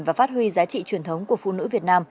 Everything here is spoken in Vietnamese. và phát huy giá trị truyền thống của phụ nữ việt nam